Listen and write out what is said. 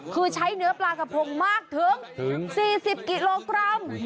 คือใช้เนื้อปลากระพงมากถึง๔๐กิโลกรัม